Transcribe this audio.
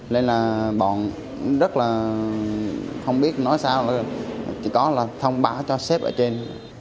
lên là bọn rất là không biết nói sao chỉ có là thông báo cho sếp ở trên